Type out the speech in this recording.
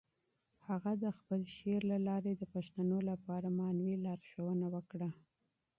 هغه د خپل شعر له لارې د پښتنو لپاره معنوي لارښوونه وکړه.